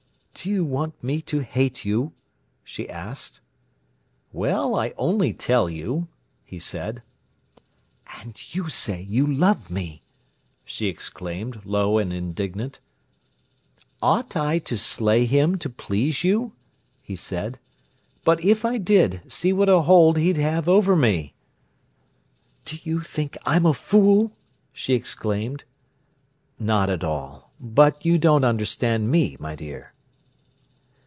"Do you want me to hate you?" she asked. "Well, I only tell you," he said. "And you say you love me!" she exclaimed, low and indignant. "Ought I to slay him to please you?" he said. "But if I did, see what a hold he'd have over me." "Do you think I'm a fool!" she exclaimed. "Not at all. But you don't understand me, my dear."